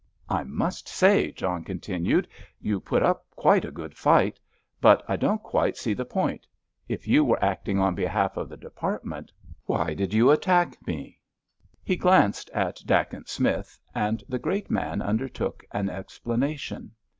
"I must say," John continued, "you put up quite a good fight, but I don't quite see the point. If you were acting on behalf of the Department, why did you attack me?" He glanced at Dacent Smith, and the great man undertook an explanation.